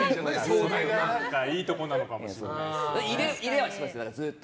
それがいいところなのかｍしれないですね。